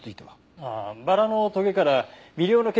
あっバラのトゲから微量の血液が採取できました。